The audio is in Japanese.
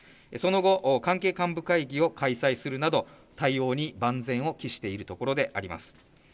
その後、関係幹部会議を開催するなど、対応に万全を期しているところであります。